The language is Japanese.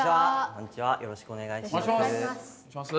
よろしくお願いします。